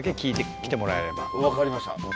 分かりました。